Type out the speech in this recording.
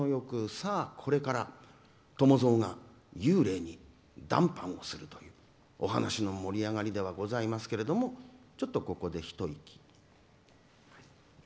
さあ、これから伴蔵が幽霊に談判をするというお話の盛り上がりではございますけれどもちょっと、ここで一息。